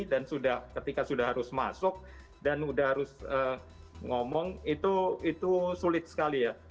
dan sudah ketika sudah harus masuk dan sudah harus ngomong itu itu sulit sekali ya